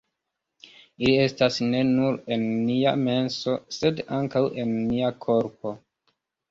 Ili estas ne nur en nia menso, sed ankaŭ en nia korpo.